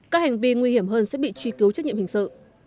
các hành vi nguy hiểm hơn sẽ bị truy cứu trách nhiệm hình sự